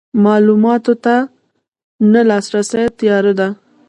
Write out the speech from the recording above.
معلوماتو ته نه لاسرسی تیاره ده.